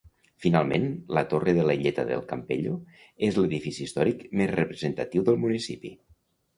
Finalment, la torre de la Illeta del Campello és l'edifici històric més representatiu del municipi.